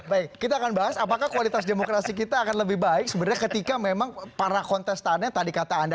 baik kita akan bahas apakah kualitas demokrasi kita akan lebih baik sebenarnya ketika memang para kontestannya tadi kata anda